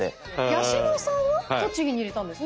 八嶋さんは栃木に入れたんですね。